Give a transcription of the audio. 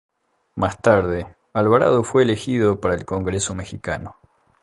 Más tarde, Alvarado fue elegido para el Congreso mexicano.